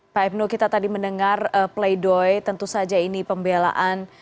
pak hipno kita tadi mendengar pleidoy tentu saja ini pembelaan